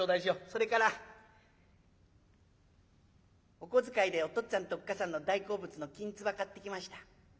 「それからお小遣いでお父っつぁんとおっ母さんの大好物のきんつば買ってきました。